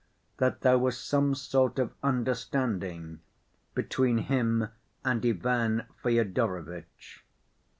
—that there was some sort of understanding between him and Ivan Fyodorovitch.